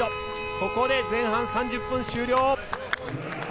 これで前半３０分終了。